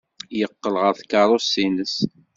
Yeqqel ɣer tkeṛṛust-nnes.